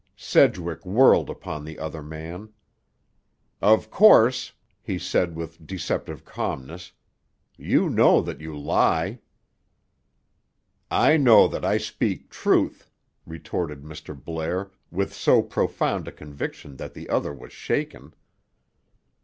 Sedgwick whirled upon the other man. "Of course," he said with deceptive calmness; "you know that you lie." "I know that I speak truth," retorted Mr. Blair with so profound a conviction that the other was shaken.